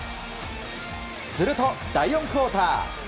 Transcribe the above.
すると、第４クオーター。